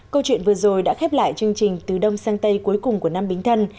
câu chuyện vừa rồi đã khép lại chương trình từ đông sang tây cuối cùng của năm bính thân